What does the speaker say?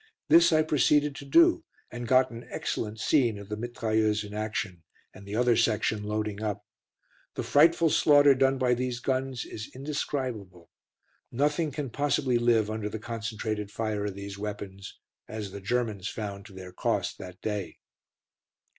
This I proceeded to do, and got an excellent scene of the mitrailleuse in action, and the other section loading up. The frightful slaughter done by these guns is indescribable. Nothing can possibly live under the concentrated fire of these weapons, as the Germans found to their cost that day.